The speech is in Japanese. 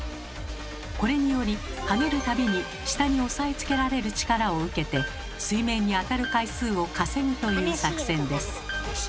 これにより跳ねる度に下に押さえつけられる力を受けて水面に当たる回数を稼ぐという作戦です。